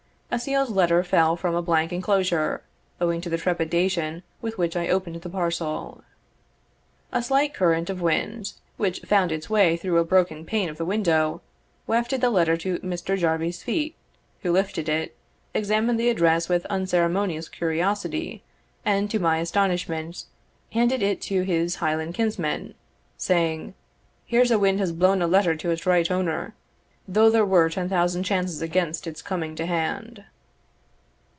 A sealed letter fell from a blank enclosure, owing to the trepidation with which I opened the parcel. A slight current of wind, which found its way through a broken pane of the window, wafted the letter to Mr. Jarvie's feet, who lifted it, examined the address with unceremonious curiosity, and, to my astonishment, handed it to his Highland kinsman, saying, "Here's a wind has blown a letter to its right owner, though there were ten thousand chances against its coming to hand."